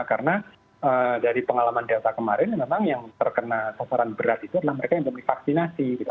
karena dari pengalaman delta kemarin memang yang terkena sasaran berat itu adalah mereka yang belum divaksinasi gitu